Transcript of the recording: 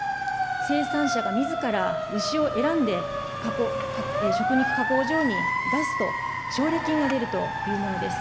生産者がみずから牛を選んで、食肉加工場に出すと奨励金が出るというものです。